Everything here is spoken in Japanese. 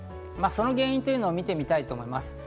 その原因を見てみたいと思います。